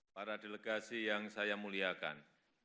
para delegasi yang saya muliakan